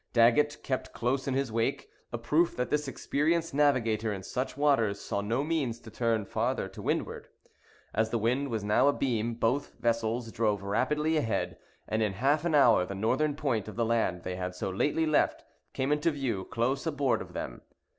Daggett kept close in his wake, a proof that this experienced navigator in such waters saw no means to turn farther to windward. As the wind was now abeam, both vessels drove rapidly ahead; and in half an hour the northern point of the land they had so lately left came into view close aboard of them.